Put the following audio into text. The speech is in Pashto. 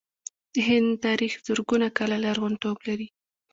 د هند تاریخ زرګونه کاله لرغونتوب لري.